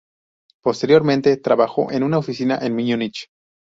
Posteriormente trabajó en una oficina en Múnich.